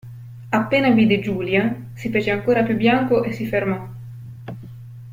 Appena vide Giulia, si fece ancora più bianco e si fermò.